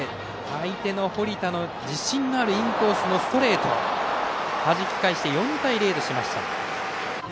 相手の堀田の自信のあるインコースのストレートをはじき返して４対０としました。